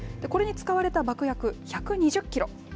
これに使われた爆薬、１２０キロ。